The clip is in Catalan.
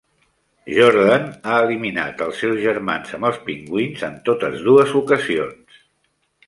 Jordan ha eliminat els seus germans amb els pingüins en totes dues ocasions.